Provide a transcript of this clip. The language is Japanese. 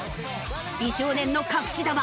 美少年の隠し玉。